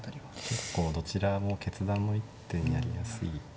結構どちらも決断の一手になりやすい。